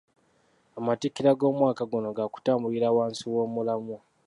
Amatikkira g’omwaka guno gaakutambulira wansi w’omulamwa.